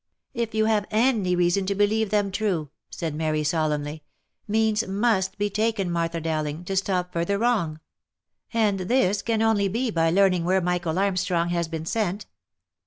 " If we have any reason to believe them true," said Mary, solemnly, " means must be taken, Martha Dowling, to stop farther wrong ; and this can only be by learning where Michael Armstrong has been sent.